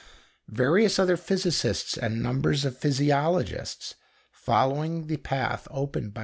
Various other physicists and numbers of physiologists, following the path opened by M.